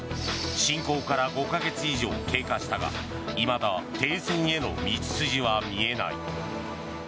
侵攻から５か月以上経過したがいまだ停戦への道筋は見えない。